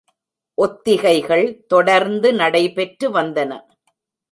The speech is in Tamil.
ஒத்திகைகள் தொடர்ந்து நடைபெற்று வந்தன.